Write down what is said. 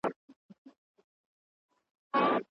که سخاوت وي نو مال نه کمیږي.